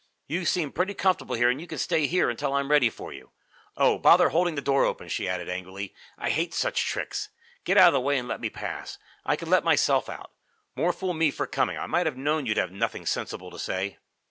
You seem pretty comfortable here and you can stay here until I'm ready for you. Oh, bother holding the door open!" she added, angrily. "I hate such tricks! Get out of the way and let me pass. I can let myself out. More fool me for coming! I might have known you'd have nothing sensible to say."